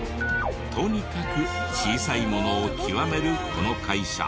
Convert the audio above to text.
とにかく小さいものを極めるこの会社。